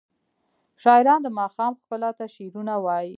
شاعران د ماښام ښکلا ته شعرونه وايي.